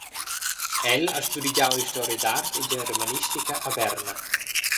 El ha studegiau historia d’art e germanistica a Berna.